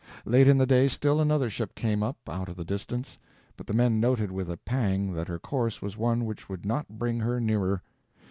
Late in the day, still another ship came up out of the distance, but the men noted with a pang that her course was one which would not bring her nearer.